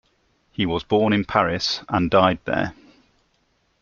He was born in Paris, and died there.